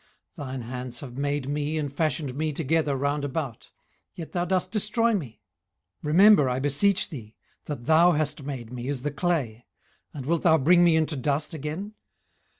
18:010:008 Thine hands have made me and fashioned me together round about; yet thou dost destroy me. 18:010:009 Remember, I beseech thee, that thou hast made me as the clay; and wilt thou bring me into dust again?